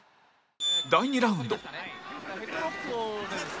第２ラウンド